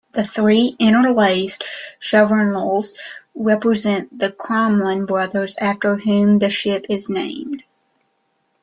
The three interlaced chevronels represent the Crommelin brothers after whom the ship is named.